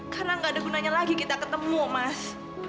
karena nggak ada gunanya lagi kita ketemu mas